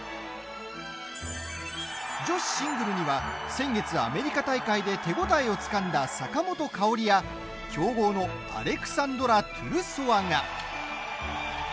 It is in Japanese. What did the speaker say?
女子シングルには先月アメリカ大会で手応えをつかんだ坂本花織や強豪のアレクサンドラ・トゥルソワが。